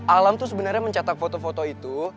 alam tuh sebenernya mencetak foto foto itu